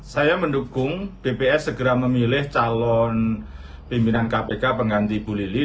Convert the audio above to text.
saya mendukung dpr segera memilih calon pimpinan kpk pengganti ibu lili